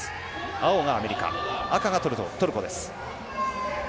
青がアメリカ赤がトルコです。